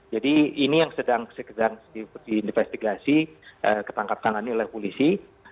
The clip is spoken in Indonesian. jadi ini yang sedang diinvestigasi ketangkap tangan oleh polisi